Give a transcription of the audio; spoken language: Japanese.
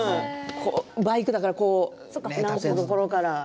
バイクだから立て直すところから。